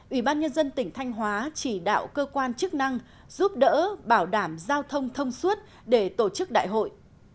ủy ban nhân dân tỉnh thanh hóa chỉ đạo cơ quan chức năng giúp đỡ bảo đảm giao thông thông suốt để tổ chức đại hội